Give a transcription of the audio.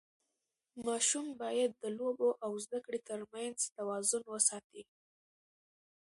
ماشوم باید د لوبو او زده کړې ترمنځ توازن وساتي.